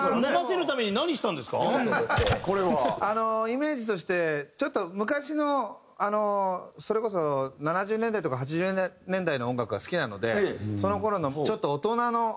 イメージとしてちょっと昔のそれこそ７０年代とか８０年代の音楽が好きなのでその頃のちょっと大人の。